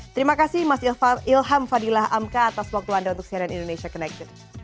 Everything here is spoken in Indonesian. terima kasih mas ilham fadilah amka atas waktu anda untuk cnn indonesia connected